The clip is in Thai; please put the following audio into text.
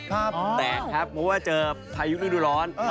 แตกครับเพราะว่าเจอพายุฤดูร้อน